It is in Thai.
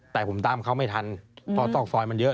แต่ผมตามเขาไม่ทันเพราะซอกซอยมันเยอะ